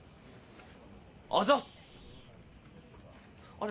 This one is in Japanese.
あれ？